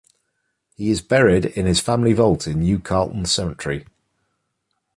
He is buried in his family vault in New Calton Cemetery.